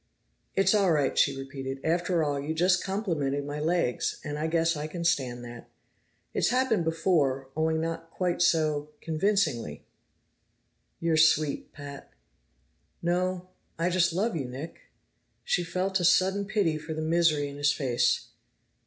"It's all right," she repeated. "After all, you just complimented my legs, and I guess I can stand that. It's happened before, only not quite so convincingly!" "You're sweet, Pat!" "No; I just love you Nick." She felt a sudden pity for the misery in his face.